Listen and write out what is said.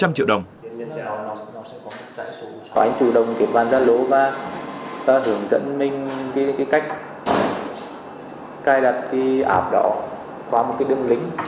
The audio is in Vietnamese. anh chủ động kế hoạch giao lộ và hướng dẫn mình cách cài đặt cái ảp đỏ qua một cái đường link